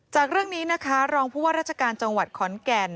จากเรื่องนี้นะคะรองผู้ว่าราชการจังหวัดขอนแก่น